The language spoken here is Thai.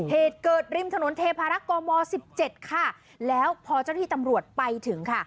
เหตุเกิดริมถนนเทพารักษ์กมสิบเจ็ดค่ะแล้วพอเจ้าหน้าที่ตำรวจไปถึงค่ะ